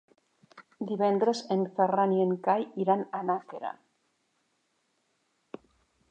Divendres en Ferran i en Cai iran a Nàquera.